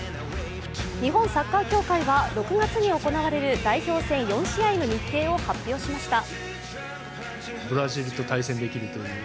日本サッカー協会は、６月に行われる代表戦４試合の日程を発表しました。